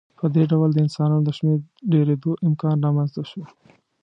په دې ډول د انسانانو د شمېر ډېرېدو امکان رامنځته شو.